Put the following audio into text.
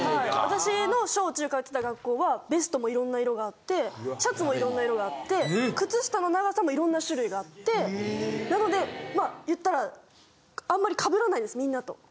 私の小中通ってた学校はベストもいろんな色があってシャツもいろんな色があって靴下の長さもいろんな種類があってなのでまあ言ったらあんまり被らないんですみんなと。